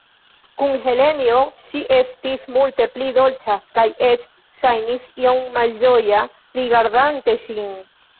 Kun Helenjo, ŝi estis multe pli dolĉa kaj eĉ ŝajnis iom malĝoja rigardante ŝin.